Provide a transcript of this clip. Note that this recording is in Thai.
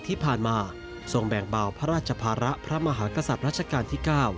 ที่ผ่านมาทรงแบ่งเบาพระราชภาระพระมหากษัตริย์รัชกาลที่๙